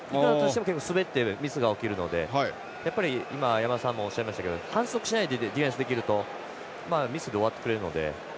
結構滑っていてミスが起きるので今、山村さんもおっしゃいましたけど反則しないでディフェンスできるとミスで終わってくれるので。